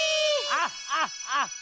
アッハッハッハ！